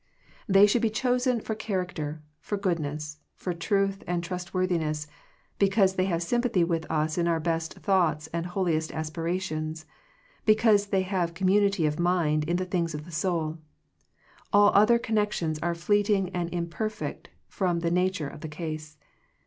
They should be chosen for char acter, for goodness, for truth and trust worthiness, because they have sympathy with us in our best thoughts and holiest aspirations, because they have commu nity of mind in the things of the soul. All other connections are fleeting and im perfect from the nature of the case.